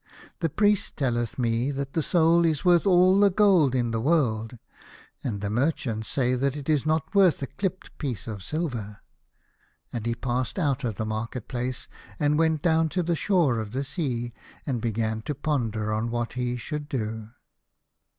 The priest telleth me that the soul is worth all the gold in the world, and the merchants say that it is not worth a clipped piece of silver." And he passed out of the market place, and went down to the shore of the sea, and began to ponder on what he should do.